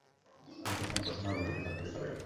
নিখিল কোনো কথা না বলে উঠে ঘর থেকে চলে গেল।